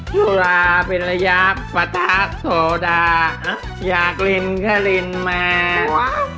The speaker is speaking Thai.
เวลาเป็นระยะประทักโทดาห๊ะอยากกินคะกินมาหวะ